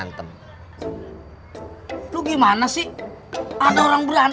nggak ada rohnya